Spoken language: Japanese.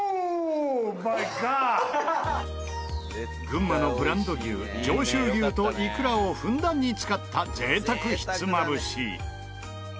群馬のブランド牛上州牛といくらをふんだんに使った贅沢ひつまぶし。